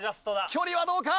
距離はどうか？